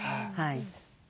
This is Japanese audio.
はい。